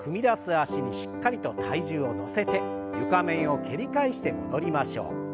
脚にしっかりと体重を乗せて床面を蹴り返して戻りましょう。